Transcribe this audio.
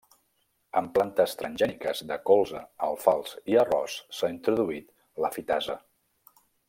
En plantes transgèniques de colza, alfals i arròs s’ha introduït la fitasa.